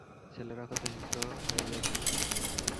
ছেলেরা কত হিংস্র হয়ে যায় খেলার সময়।